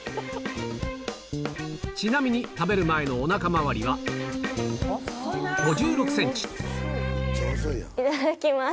ちなみに食べる前のおなか回いただきます。